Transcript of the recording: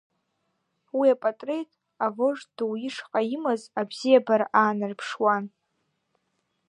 Уи апатреҭ авожд ду ишҟа имаз абзиабара аанарԥшуан.